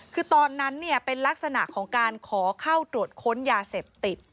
คือตอนนั้นเป็นลักษณะของการขอเข้าตรวจค้นยาเสพติด